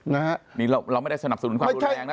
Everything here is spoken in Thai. นี้เราไม่ได้สนับสูญความแรงนะ